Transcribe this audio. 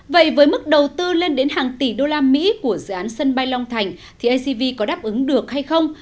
vậy với mức đầu tư lên đến hàng tỷ usd của dự án sân bay long thành thì acv có đáp ứng được hay không